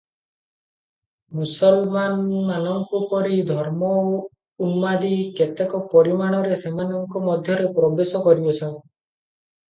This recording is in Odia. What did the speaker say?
ମୁସଲମାନମାନଙ୍କୁ ପରି ଧର୍ମଉନ୍ମାଦି କେତେକ ପରିମାଣରେ ସେମାନଙ୍କ ମଧ୍ୟରେ ପ୍ରବେଶ କରିଅଛି ।